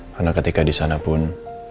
karena ketika disana pun